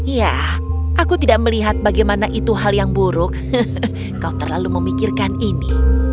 ya aku tidak melihat bagaimana itu hal yang buruk kau terlalu memikirkan ini